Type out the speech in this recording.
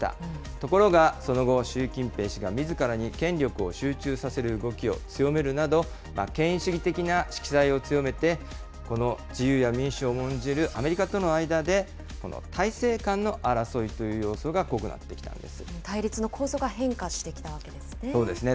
ところが、その後、習近平氏がみずからに権力を集中させる動きを強めるなど、権威主義的な色彩を強めて、この自由や民主を重んじるアメリカとの間で体制間の争いという様対立の構造が変化してきたわそうですね。